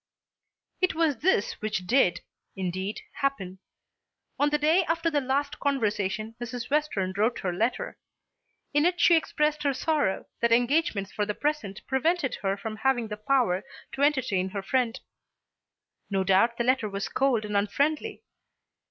It was this which did, indeed, happen. On the day after the last conversation Mrs. Western wrote her letter. In it she expressed her sorrow that engagements for the present prevented her from having the power to entertain her friend. No doubt the letter was cold and unfriendly.